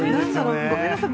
ごめんなさい